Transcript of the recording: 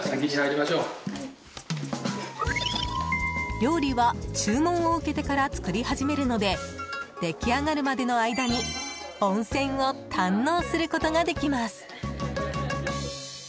料理は注文を受けてから作り始めるのででき上がるまでの間に温泉を堪能することができます。